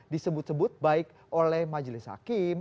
disebut sebut baik oleh majelis hakim